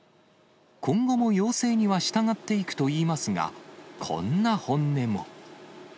今後も要請には従っていくとはいいますが、こんな本音も。